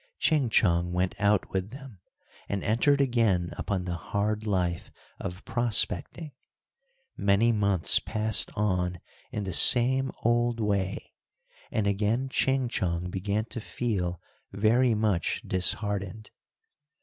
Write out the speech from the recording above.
Ching Chong went out with them, and entered again upon the hard life of prospecting. Many months passed on in the same old way, and again Ching Chong began to feel very much disheartened.